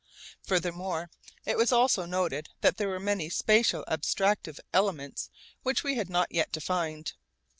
Furthermore it was also noted that there were many spatial abstractive elements which we had not yet defined.